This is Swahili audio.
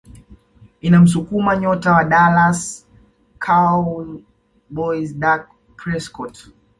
inamsukuma nyota wa Dallas Cowboys Dak Prescott